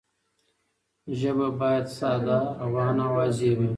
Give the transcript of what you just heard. ژبه باید ساده، روانه او واضح وي.